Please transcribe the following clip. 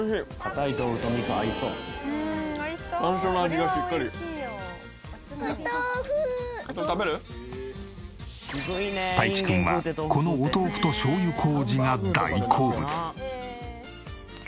たいちくんはこのお豆腐としょうゆ麹が大好物。